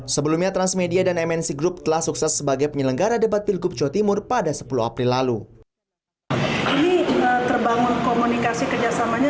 sebenarnya kpu profesi jawa tengah ini akan diwakil oleh ketua kpu profesi jawa tengah